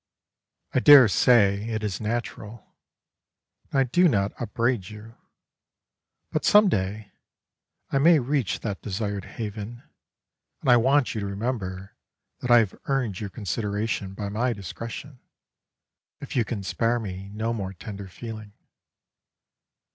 I dare say it is natural, and I do not upbraid you; but some day I may reach that desired haven, and I want you to remember that I have earned your consideration by my discretion, if you can spare me no more tender feeling.